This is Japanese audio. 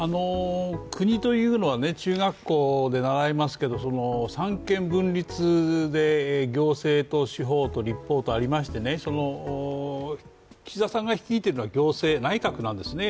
国というのは、中学校で習いますけれども三権分立で、行政と司法と立法とありまして、岸田さんが率いているのは行政内閣なんですね。